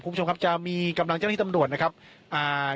คุณผู้ชมครับจะมีกำลังเจ้าหน้าที่ตำรวจนะครับอ่า